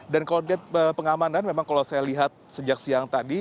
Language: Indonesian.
dan kalau lihat pengamanan memang kalau saya lihat sejak siang tadi